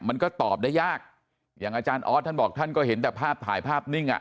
มันก็ตอบได้ยากอย่างอาจารย์ออสท่านบอกท่านก็เห็นแต่ภาพถ่ายภาพนิ่งอ่ะ